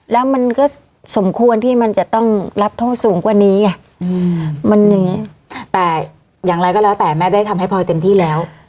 แล้วมันก็สมควรที่มันจะต้องรับโทษสูงกว่านี้ไงมันอย่างนี้แต่อย่างไรก็แล้วแต่แม่ได้ทำให้พลอยเต็มที่แล้ว